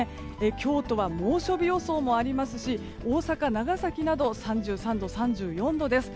京都は猛暑日予想もありますし大阪、長崎などは３３度、３４度です。